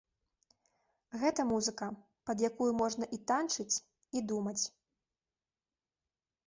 Гэта музыка, пад якую можна і танчыць, і думаць.